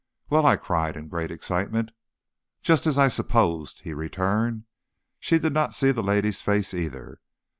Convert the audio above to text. "Well?" I cried, in great excitement. "Just as I supposed," he returned. "She did not see the lady's face either.